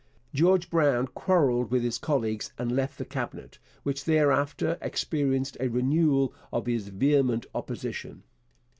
George Brown quarrelled with his colleagues and left the Cabinet, which thereafter experienced a renewal of his vehement opposition.